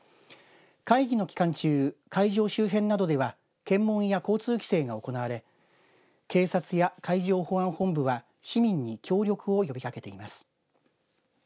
会議の期間中、会場周辺などでは検問や交通規制が行われ警察や海上保安本部は市民に協力を呼びかけています。